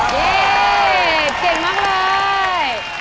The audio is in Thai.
เย้เก่งมากเลย